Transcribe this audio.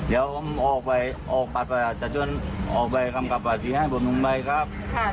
เราเสพยามาไหมเนี่ยยอมรับครับ